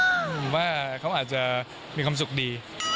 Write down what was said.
ผมว่าเขาอาจจะมีความสุขดี